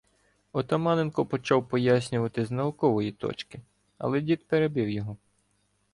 Отаманенко почав пояснювати з "наукової точки", але дід перебив його.